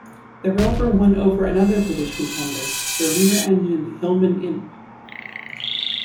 The Rover won over another British contender, the rear-engine Hillman Imp.